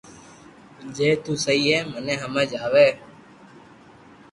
جي تو سھيي ھي مني ھمج آوي